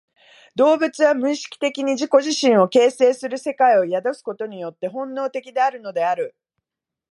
動物は無意識的に自己自身を形成する世界を宿すことによって本能的であるのである。